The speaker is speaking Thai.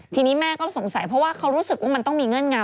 ทีนี้แม่ก็สงสัยเพราะว่าเขารู้สึกว่ามันต้องมีเงื่อนงำ